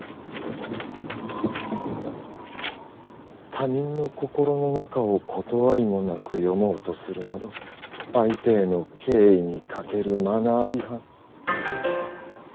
「他人の心の中を断りもなく読まうとするなど相手への敬意に欠けるマナー違反」。